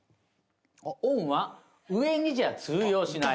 ｏｎは「上に」じゃ通用しない。